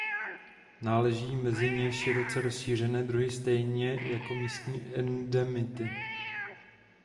Náležejí mezi ně široce rozšířené druhy stejně jako místní endemity.